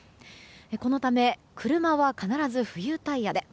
このため、車は必ず冬タイヤで。